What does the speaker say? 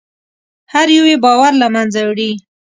هر یو یې باور له منځه وړي.